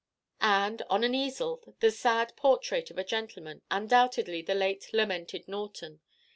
And, on an easel, the sad portrait of a gentleman, undoubtedly the late lamented Norton.